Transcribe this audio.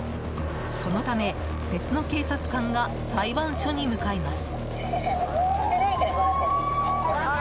そのため、別の警察官が裁判所に向かいます。